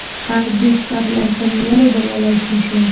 د سکاټلنډ په نیولو بریالی نه شو.